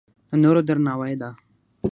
د نورو درناوی ده.